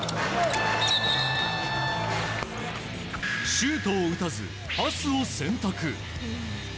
シュートを打たず、パスを選択。